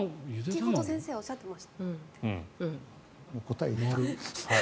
先ほど先生おっしゃってましたよ。